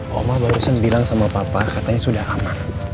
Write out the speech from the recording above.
mama barusan bilang sama papa katanya sudah aman